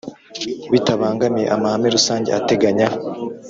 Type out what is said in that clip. Bitabangamiye amahame rusange ateganya